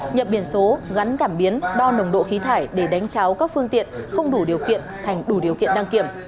nhập biển số gắn cảm biến đo nồng độ khí thải để đánh cháo các phương tiện không đủ điều kiện thành đủ điều kiện đăng kiểm